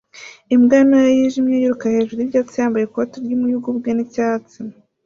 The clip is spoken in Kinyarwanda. imbwa ntoya yijimye yiruka hejuru yibyatsi yambaye ikote ry'umuyugubwe n'icyatsi